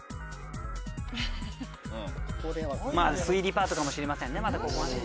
推理パートかもしれませんね